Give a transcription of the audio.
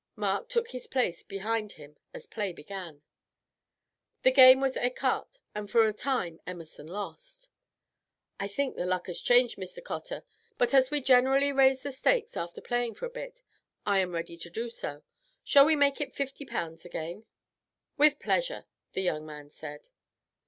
Mark took his place behind him as play began. The game was ecarte, and for a time Emerson lost. "I think the luck has changed, Mr. Cotter, but as we generally raise the stakes after playing for a bit, I am ready to do so. Shall we make it fifty pounds again?" "With pleasure," the young man said.